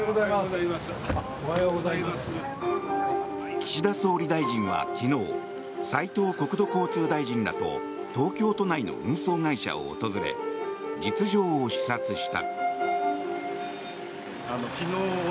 岸田総理大臣が昨日斉藤国土交通大臣らと東京都内の運送会社を訪れ実情を視察した。